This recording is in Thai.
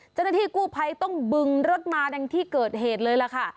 เจ้าหน้าที่กู้ภัยต้องบึงรถมาดังที่เกิดเหตุเลยล่ะค่ะ